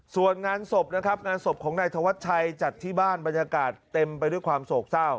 ส่วนงานศพนะครับงานศพของนายธวัชชัยจัดที่บ้านบรรยากาศเต็มไปด้วยความโศกเศร้า